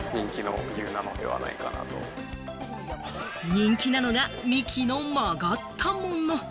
人気なのが、幹の曲がったもの。